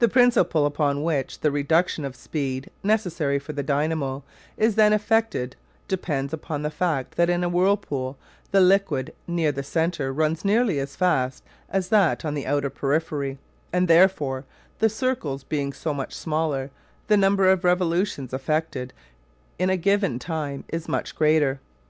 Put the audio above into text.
The principle upon which the reduction of speed necessary for the dynamo is then effected depends upon the fact that in a whirlpool the liquid near the centre runs nearly as fast as that on the outer periphery, and therefore the circles being so very much smaller the number of revolutions effected in a given time is much greater.